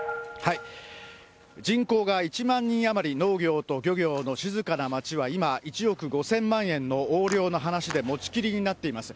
人口が１万人余り、農業と漁業の静かな町は今、１億５０００万円の横領の話で持ちきりになっています。